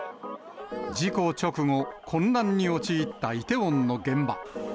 事故直後、混乱に陥ったイテウォンの現場。